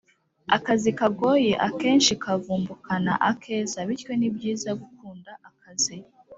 Akazi kagoye akenshi kavumbukana akeza bityo ni byiza gukunda akazi